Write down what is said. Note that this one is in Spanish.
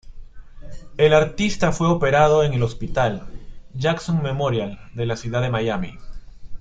El artista fue operado en el Hospital "Jackson Memorial" de la ciudad de Miami.